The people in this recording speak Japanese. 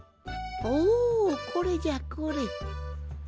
おこれじゃこれ。